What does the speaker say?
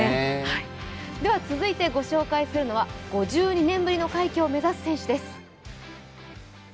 続いて御紹介するのは５２年ぶりの快挙を目指す選手です。